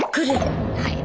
はい。